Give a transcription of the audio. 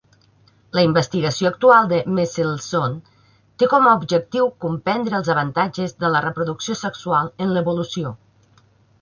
La investigació actual de Meselson té com a objectiu comprendre els avantatges de la reproducció sexual en l'evolució.